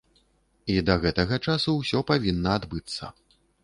І да гэтага часу ўсё павінна адбыцца.